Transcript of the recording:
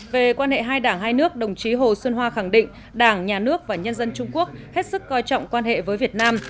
về quan hệ hai đảng hai nước đồng chí hồ xuân hoa khẳng định đảng nhà nước và nhân dân trung quốc hết sức coi trọng quan hệ với việt nam